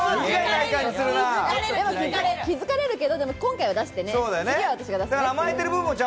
気づかれるけど、今回は出してね、次は私が出す。